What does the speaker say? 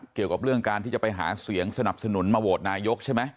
เกี่ยวกับเรื่องการที่จะไปหาเสียงสนับสนุนมาโหวตนายกใช่ไหม